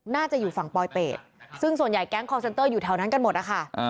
น่าจะอยู่ฝั่งปลอยเป็ดซึ่งส่วนใหญ่แก๊งคอร์เซ็นเตอร์อยู่แถวนั้นกันหมดนะคะ